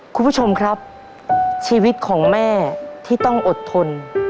คุณผู้ชมครับชีวิตของแม่ที่ต้องอดทน